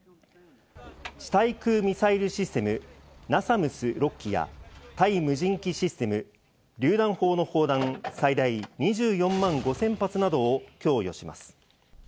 地対空ミサイルシステム「ＮＡＳＡＭＳ」６基や対無人機システム、りゅう弾砲の砲弾、最大２４万５０００発などを供与します。